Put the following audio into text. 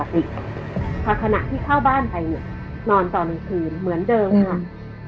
บ้านปกติภาคณะที่เข้าบ้านไทยเนี่ยนอนตอนกลางคืนเหมือนเดิมค่ะ